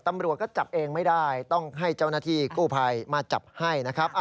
ตำรวจก็จับเองไม่ได้ต้องให้เจ้าหน้าที่กู้ภัยมาจับให้นะครับ